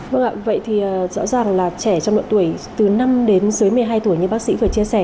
vâng ạ vậy thì rõ ràng là trẻ trong độ tuổi từ năm đến dưới một mươi hai tuổi như bác sĩ vừa chia sẻ